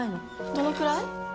どのくらい？